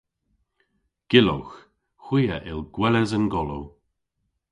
Gyllowgh. Hwi a yll gweles an golow.